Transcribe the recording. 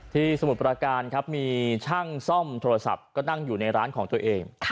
สมุทรประการครับมีช่างซ่อมโทรศัพท์ก็นั่งอยู่ในร้านของตัวเอง